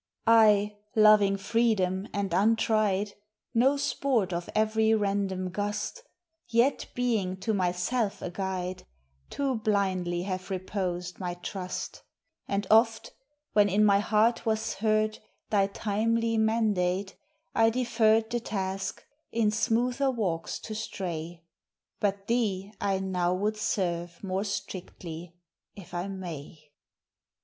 HUM 1 \ EXPERIENCE. 279 I, loving freedom, and untried, NO sporl of every random gust, Yet being t<> myself a guide, Too blindly have reposed my trust; And oft, when in my heart was heard Thy timely mandate, I deferred The task, in smoother walks to stray; But thee I now would serve more strictly, if I may.